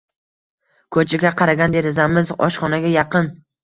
Ko`chaga qaragan derazamiz oshxonaga yaqin